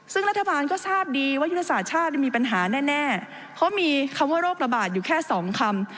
ซึ่งรัฐบาลก็ทราบดีว่ายุทธศาสตร์ชาติมีปัญหาแน่เพราะมีคำว่าโรคระบาดอยู่แค่สองคำ